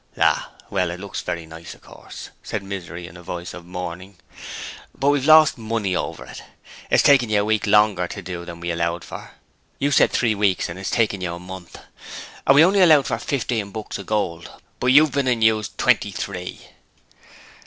'Ah, well, it looks very nice, of course,' said Misery in a voice of mourning, 'but we've lost money over it. It's taken you a week longer to do than we allowed for; you said three weeks and it's taken you a month; and we only allowed for fifteen books of gold, but you've been and used twenty three.'